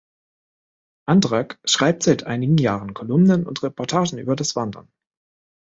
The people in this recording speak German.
Andrack schreibt seit einigen Jahren Kolumnen und Reportagen über das Wandern.